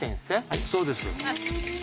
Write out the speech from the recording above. はいそうです。